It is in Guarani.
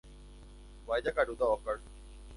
Mba'e jakarúta Óscar.